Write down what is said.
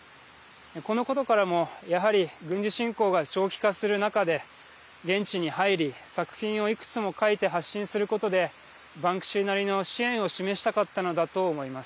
このことからもやはり軍事侵攻が長期化する中で現地に入り作品をいくつも描いて発信することでバンクシーなりの支援を示したかったのだと思います。